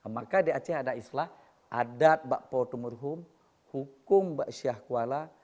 maka di aceh ada islah adat bakpo tumurhum hukum baksyahkuala